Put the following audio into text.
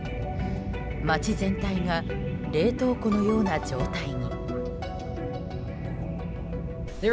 街全体が冷凍庫のような状態に。